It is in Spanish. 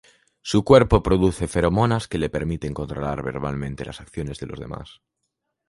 Su cuerpo produce feromonas que le permiten controlar verbalmente las acciones de los demás.